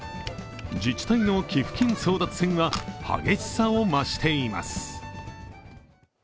自治体の寄付金争奪戦は激しさを増しています。